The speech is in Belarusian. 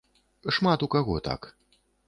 Шмат у каго так.